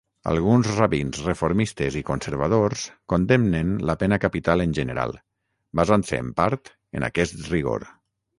Alguns rabins reformistes i conservadors condemnen la pena capital en general, bastant-se, en part, en aquest rigor.